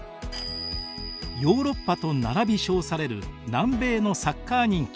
ヨーロッパと並び称される南米のサッカー人気。